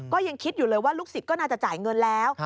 ก็ยังคิดอยู่เลยว่าลูกศิษย์ก็น่าจะจ่ายเงินแล้ว